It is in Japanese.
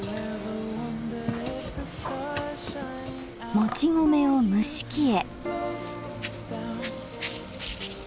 もち米を蒸し器へ。